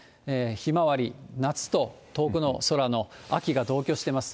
ひまわり、夏と遠くの空の秋が同居しています。